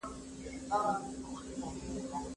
انګریزان تر شاه شجاع ډیر قوي وو.